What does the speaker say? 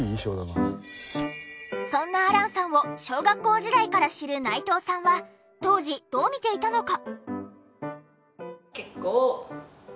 そんな亜嵐さんを小学校時代から知る内藤さんは当時どう見ていたのか？